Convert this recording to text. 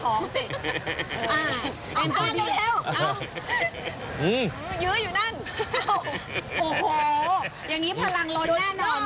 โอ้โฮอย่างนี้พลังลดแน่นอน